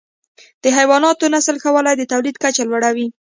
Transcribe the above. د حیواناتو نسل ښه والی د تولید کچه لوړه وي.